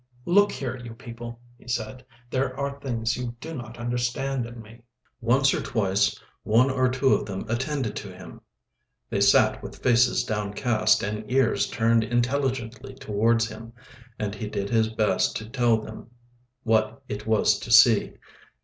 "Look you here, you people," he said. "There are things you do not understand in me." Once or twice one or two of them attended to him; they sat with faces downcast and ears turned intelligently towards him, and he did his best to tell them what it was to see.